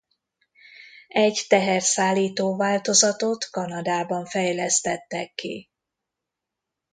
Egy teherszállító változatot Kanadában fejlesztettek ki.